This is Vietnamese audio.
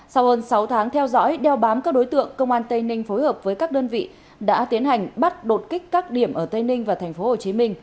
sau hơn sáu tháng theo dõi đeo bám các đối tượng công an tây ninh phối hợp với các đơn vị đã tiến hành bắt đột kích các điểm ở tây ninh và tp hcm